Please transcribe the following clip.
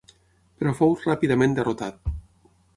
Però fou ràpidament derrotat.